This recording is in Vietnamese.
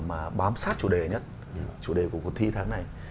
mà bám sát chủ đề nhất chủ đề của cuộc thi tháng này